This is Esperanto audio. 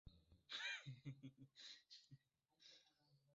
En la filmo li ŝtelas vestaĵojn de sia edzino Barbara.